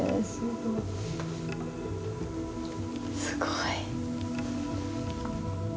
すごい。